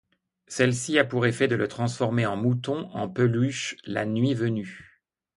Celle-ci a pour effet de le transformer en mouton en peluche la nuit venue.